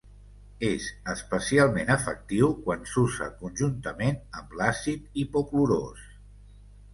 És especialment efectiu quan s'usa conjuntament amb l'àcid hipoclorós.